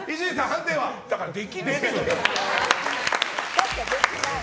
だからできねえって。